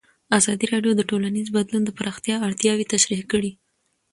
ازادي راډیو د ټولنیز بدلون د پراختیا اړتیاوې تشریح کړي.